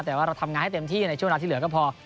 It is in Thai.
แต่ว่าเราทำงานให้เต็มที่ในช่วงเวลาที่เหลือก็พอ